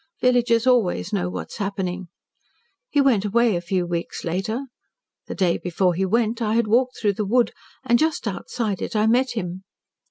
Villagers always know what is happening. He went away a few weeks later. The day before he went, I had walked through the wood, and just outside it, I met him.